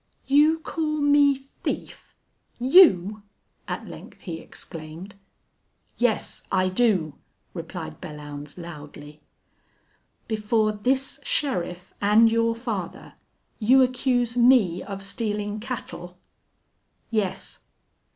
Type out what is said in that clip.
"You call me thief! You?" at length he exclaimed. "Yes, I do," replied Belllounds, loudly. "Before this sheriff and your father you accuse me of stealing cattle?" "Yes."